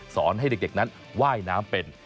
สอนให้เด็กนั้นว่ายน้ำเป็น